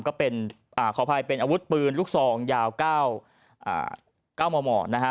ก็เป็นขออภัยเป็นอาวุธปืนลูกซองยาว๙มมนะฮะ